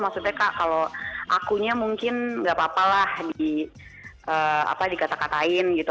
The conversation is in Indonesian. maksudnya kak kalau akunya mungkin nggak apa apa lah dikata katain gitu